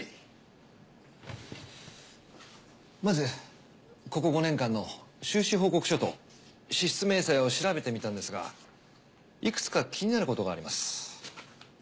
まずここ５年間の収支報告書と支出明細を調べてみたんですがいくつか気になることがあります。